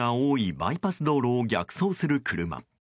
バイパス道路を逆走する車。